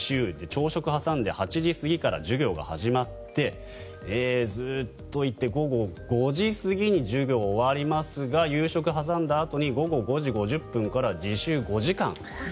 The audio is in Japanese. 朝食を挟んで８時過ぎから授業が始まってずっと行って、午後５時過ぎに授業が終わりますが夕食を挟んだあとに午後５時５０分から自習５時間。